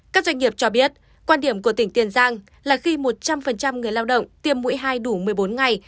các doanh nghiệp cho biết quan điểm của tỉnh tiền giang là khi một trăm linh người lao động tiêm mũi hai đủ một mươi bốn ngày